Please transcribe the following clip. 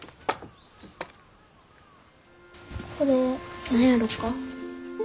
これ何やろか？